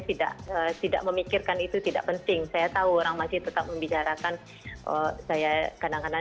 tidak tidak memikirkan itu tidak penting saya tahu orang masih tetap membicarakan saya kadang kadang